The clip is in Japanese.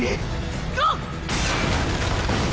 ゴー！